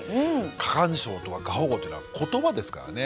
過干渉とか過保護というのは言葉ですからね。